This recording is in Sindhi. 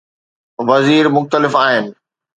وزير مختلف آهن.